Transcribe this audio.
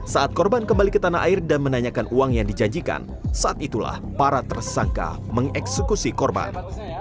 saat korban kembali ke tanah air dan menanyakan uang yang dijanjikan saat itulah para tersangka mengeksekusi korban